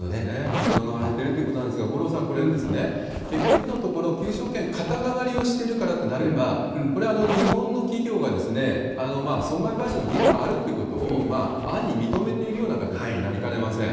国論が割れてるってことなんですが、五郎さん、これ、結局のところ、求償権肩代わりをしてからとなれば、これ、日本の企業が損害賠償の義務があるってことを、暗に認めているような形になりかねません。